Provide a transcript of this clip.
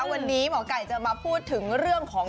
วันนี้หมอไก่จะมาพูดถึงเรื่องของ